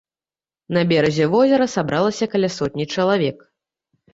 На беразе возера сабралася каля сотні чалавек.